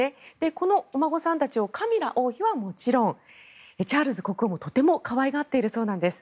このお孫さんたちをカミラ王妃はもちろんチャールズ国王もとても可愛がっているそうなんです。